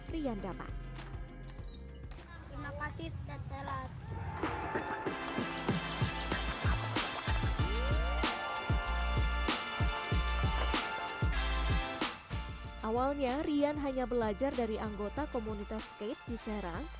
rian hanya belajar dari anggota komunitas skate di serang